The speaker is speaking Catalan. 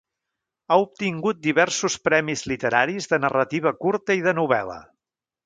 Ha obtingut diversos premis literaris de narrativa curta i de novel·la.